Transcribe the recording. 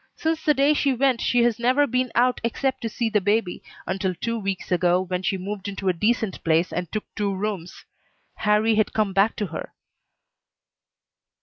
Since the day she went she has never been out except to see the baby, until two weeks ago, when she moved into a decent place and took two rooms. Harrie had come back to her."